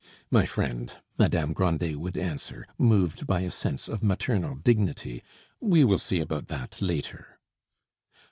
"My friend," Madame Grandet would answer, moved by a sense of maternal dignity, "we will see about that later."